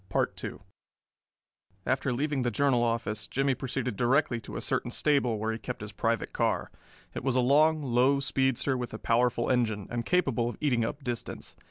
After leaving the Journal office Jimmie proceeded directly to a certain stable where he kept his private car. It was a long, low speedster with a powerful engine, and capable of eating up distance.